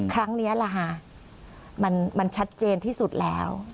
ครั้งนี้ล่ะค่ะมันชัดเจนที่สุดแล้ว